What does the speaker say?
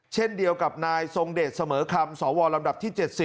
เช่นเดียวกับนายทรงเดชเสมอคำสวลำดับที่๗๐